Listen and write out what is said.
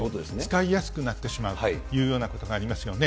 使いやすくなってしまうというようなことがありますよね。